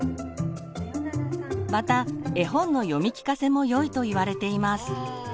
また絵本の読み聞かせもよいといわれています。